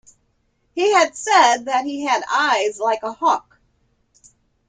He had said that he had eyes like a hawk.